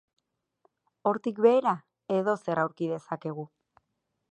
Hortik behera, edozer aurki dezakegu.